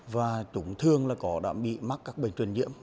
và chúng thường là có đã bị mắc các bệnh truyền nhiễm